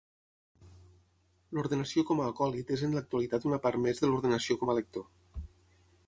L'ordenació com a acòlit és en l'actualitat una part més de l'ordenació com a lector.